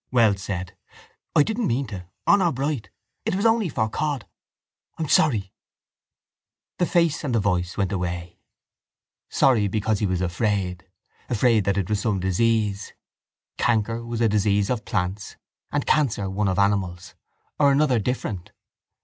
Wells said: —I didn't mean to, honour bright. It was only for cod. I'm sorry. The face and the voice went away. Sorry because he was afraid. Afraid that it was some disease. Canker was a disease of plants and cancer one of animals: or another different.